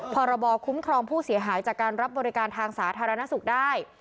พรบคุ้มครองผู้เสียหายจากการรับบริการทางสาธารณสุขได้